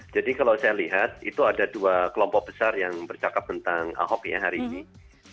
jadi kalau saya lihat itu ada dua kelompok besar yang bercakap tentang ahok hari ini